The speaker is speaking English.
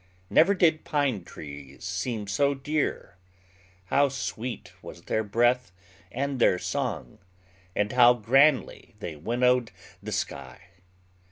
Never did pine trees seem so dear. How sweet was their breath and their song, and how grandly they winnowed the sky!